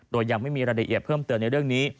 โดยยังไม่มีรายละเอียดเพิ่มเติมในเรื่องนี้